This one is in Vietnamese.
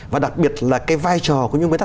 và đặc biệt là cái vai trò của những người ta